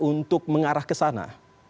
untuk mengarah ke sana